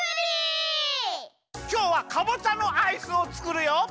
きょうはかぼちゃのアイスをつくるよ！